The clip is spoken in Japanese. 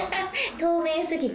透明すぎて。